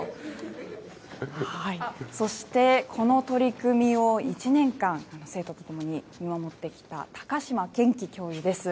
そしてこの取り組みを１年間、生徒と共に見守ってきた高島けんき教諭です。